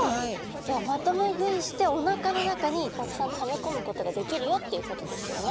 じゃあまとめ食いしておなかの中にたくさんためこむことができるよっていうことですよね。